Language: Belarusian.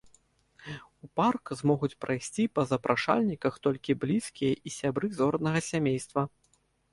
У парк змогуць прайсці па запрашальніках толькі блізкія і сябры зорнага сямейства.